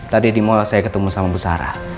tadi di mall saya ketemu sama bu sarah